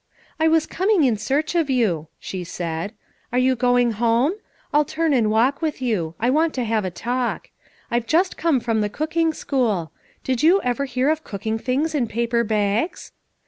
"I was coming in search of you/' she said. 1 ' Are you going home ? I 'II turn and walk with you ; I want to have a talk. I've just come from the cooking school. Did you ever hear of cook ing things in paper bags!